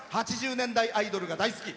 ８０年代アイドルが大好き。